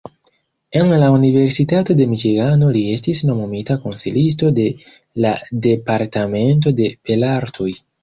En la Universitato de Miĉigano li estis nomumita konsilisto de la departamento de belartoj.